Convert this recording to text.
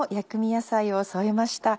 野菜を添えました。